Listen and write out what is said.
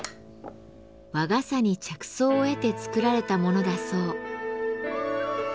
和傘に着想を得て作られたものだそう。